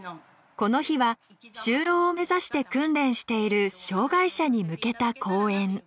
この日は就労を目指して訓練している障がい者に向けた講演。